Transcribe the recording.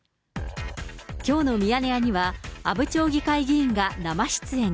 きょうのミヤネ屋には阿武町議会議員が生出演。